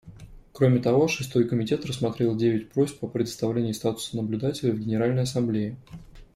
Кроме того, Шестой комитет рассмотрел девять просьб о предоставлении статуса наблюдателя в Генеральной Ассамблее.